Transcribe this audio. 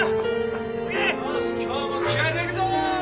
よし今日も気合入れていくぞ！